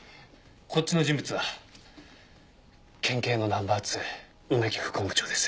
こっちの人物は県警のナンバー２梅木副本部長です。